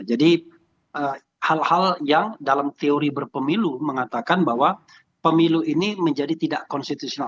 jadi hal hal yang dalam teori berpemilu mengatakan bahwa pemilu ini menjadi tidak konstitusional